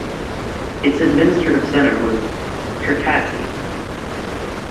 Its administrative centre was Cherkassy (Cherkasy).